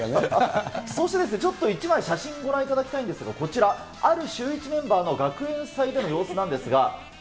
そしてちょっと、１枚、写真をご覧いただきたいんですけど、こちら、あるシューイチメンバーの学園祭での様子なんですが。